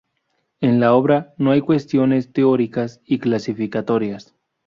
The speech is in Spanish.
En la obra no hay cuestiones teóricas y clasificatorias.